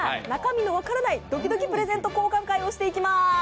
中身の分からないドキドキプレゼント交換会をしていきます。